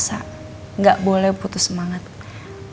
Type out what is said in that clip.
mulai hari ini saya janji saya akan bantuin bapak untuk bangkit lagi